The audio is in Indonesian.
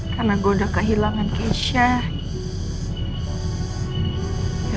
karena gue udah kehilangan keisha